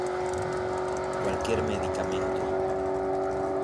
cualquier medicamento